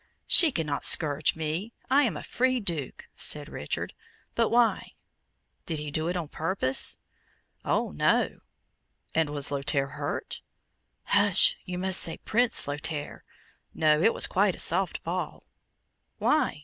"She cannot scourge me I am a free Duke," said Richard. "But why? Did he do it on purpose?" "Oh, no!" "And was Lothaire hurt?" "Hush! you must say Prince Lothaire. No; it was quite a soft ball." "Why?"